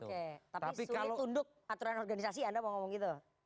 oke tapi soal tunduk aturan organisasi anda mau ngomong itu